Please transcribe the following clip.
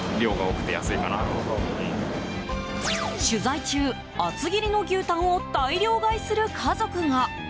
取材中、厚切りの牛タンを大量買いする家族が。